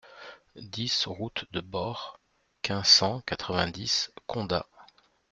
dix route de Bort, quinze, cent quatre-vingt-dix, Condat